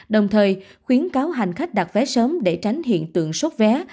đồng thời khuyến cáo hành khách đặt vé sớm để tránh hiện tượng sốt vé